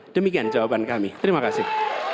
demikian jawaban kami terima kasih